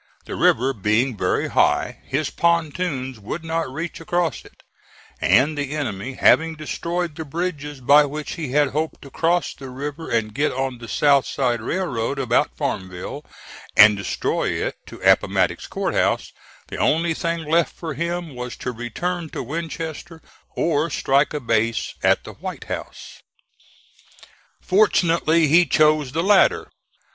The river being very high, his pontoons would not reach across it; and the enemy having destroyed the bridges by which he had hoped to cross the river and get on the South Side Railroad about Farmville, and destroy it to Appomattox Court House, the only thing left for him was to return to Winchester or strike a base at the White House. Fortunately, he chose the latter.